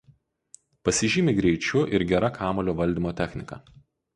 Pasižymi greičiu ir gera kamuolio valdymo technika.